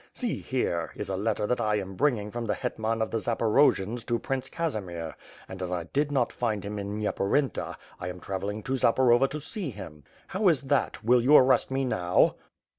See here, is a letter that I am bringing from the Hetman of the Zaporojians to Prince Casimir; and, as I did not find him in Nyeporenta, I am travelling to Zaporova to see him. How is that? Will you arrest me now?"